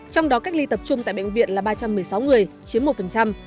trong đó cách ly tập trung tại bệnh viện là ba trăm một mươi sáu người chiếm một